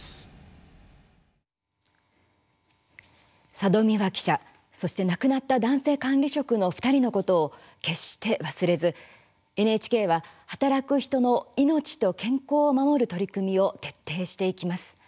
佐戸未和記者そして亡くなった男性管理職の２人のことを決して忘れずＮＨＫは働く人の命と健康を守る取り組みを徹底していきます。